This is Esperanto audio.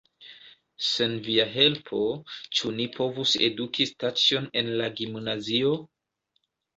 Sen via helpo, ĉu ni povus eduki Staĉjon en la gimnazio?